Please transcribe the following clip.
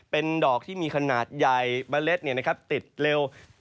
เป็นดอกที่มีขนาดใหญ่เมล็ดเนี่ยนะครับติดเร็ว